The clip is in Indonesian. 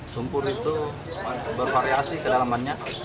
lumpur itu bervariasi kedalamannya